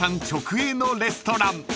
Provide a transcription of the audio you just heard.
直営のレストラン］